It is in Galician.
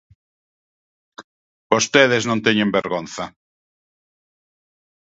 ¡Vostedes non teñen vergonza!